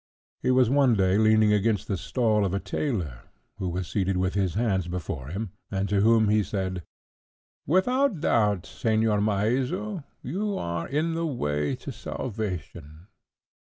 He was one day leaning against the stall of a tailor, who was seated with his hands before him, and to whom he said— "Without doubt, Señor Maeso, you are in the way to salvation."